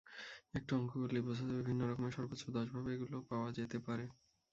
একটু অঙ্ক করলেই বোঝা যাবে, ভিন্ন রকমের সর্বোচ্চ দশভাবে এগুলো পাওয়া যেতে পারে।